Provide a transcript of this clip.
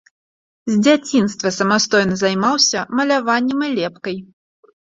З дзяцінства самастойна займаўся маляваннем і лепкай.